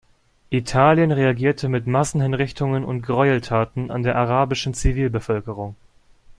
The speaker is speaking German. Italien reagierte mit Massenhinrichtungen und Gräueltaten an der arabischen Zivilbevölkerung.